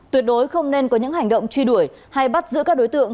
tuyệt đối không nên có những hành động truy đuổi hay bắt giữ các đối tượng